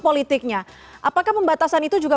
politiknya apakah pembatasan itu juga